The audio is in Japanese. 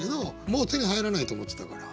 もう手に入らないと思ってたから。